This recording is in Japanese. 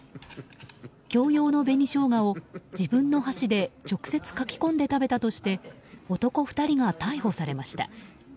共用の紅ショウガを自分の箸で直接かき込んで食べたとして男２人が逮捕されました。